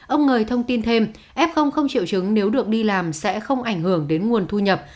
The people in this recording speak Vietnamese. ông ngời thông tin thêm f không triệu chứng nếu được đi làm sẽ không ảnh hưởng đến nguồn thu nhập